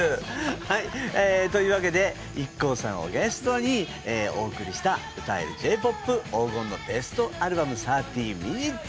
はいえというわけでＩＫＫＯさんをゲストにお送りした「歌える！Ｊ−ＰＯＰ黄金のベストアルバム３０Ｍ」。